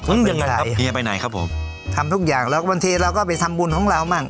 เรื่องยังไงเฮียไปไหนครับผมทำทุกอย่างแล้วบางทีเราก็ไปทำบุญของเราบ้าง